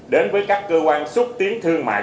đến với các cơ quan xuất tiến thương mại